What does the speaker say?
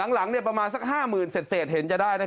หลังประมาณสัก๕๐๐๐๐เสร็จให้เห็น